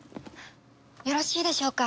よろしいでしょうか？